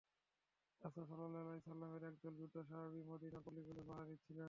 রাসূলুল্লাহ সাল্লাল্লাহু আলাইহি ওয়াসাল্লামের একদল যোদ্ধা সাহাবী মদীনার পল্লীগুলো পাহারা দিচ্ছিলেন।